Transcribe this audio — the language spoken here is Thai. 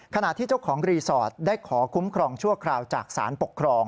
ขณะที่เจ้าของรีสอร์ทได้ขอคุ้มครองชั่วคราวจากสารปกครอง